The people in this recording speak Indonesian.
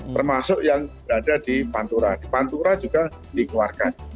termasuk yang berada di pantura di pantura juga dikeluarkan